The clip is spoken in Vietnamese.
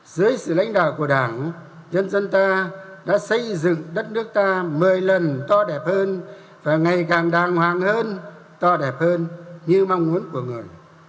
dưới sự lãnh đạo của đảng nhân dân ta đã xây dựng đất nước ta một mươi lần to đẹp hơn và ngày càng đàng hoàng hơn to đẹp hơn như mong muốn của người